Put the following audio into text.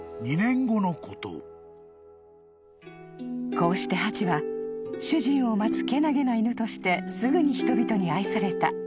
［こうしてハチは主人を待つけなげな犬としてすぐに人々に愛された］